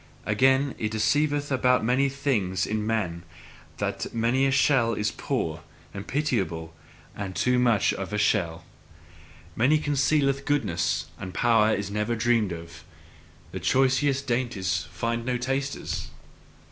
Again, it deceiveth about many things in man, that many a shell is poor and pitiable, and too much of a shell. Much concealed goodness and power is never dreamt of; the choicest dainties find no tasters!